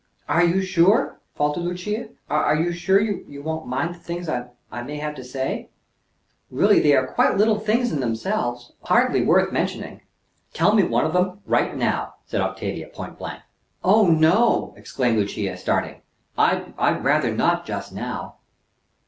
"Are you sure," faltered Lucia, "are you sure you won't mind the things I may have to say? Really, they are quite little things in themselves hardly worth mentioning" "Tell me one of them, right now," said Octavia, point blank. "Oh, no!" exclaimed Lucia, starting. "I'd rather not just now."